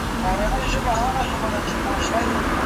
په سیوري پسي پل اخلي رازونه تښتوي